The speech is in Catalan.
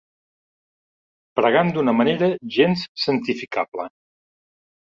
Pregant d'una manera gens santificable.